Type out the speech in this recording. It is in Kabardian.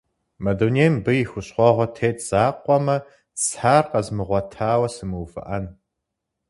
Мы дунейм мыбы и хущхъуэгъуэ тет закъуэмэ, сэ ар къэзмыгъуэтауэ сымыувыӏэн.